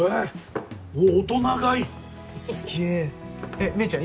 えっ姉ちゃん